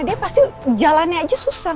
dia pasti jalannya aja susah